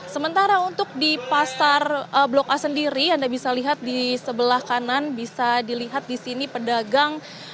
sementara untuk di pasar blok a sendiri anda bisa lihat di sebelah kanan bisa dilihat di sini pedagang